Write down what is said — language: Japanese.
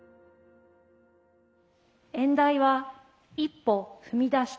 演題は「一歩踏み出した」。